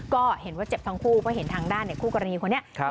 ก็เห็นว่าเจ็บทั้งคู่เพราะเห็นทางด้านคู่กรณีคนนี้